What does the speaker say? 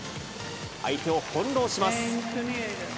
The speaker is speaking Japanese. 相手を翻弄します。